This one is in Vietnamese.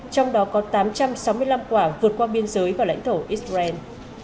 trong đó có tám trăm sáu mươi năm quả vượt qua biên giới vào lãnh thổ israel